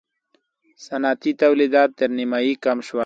صنعتي تولیدات تر نییمایي کم شول.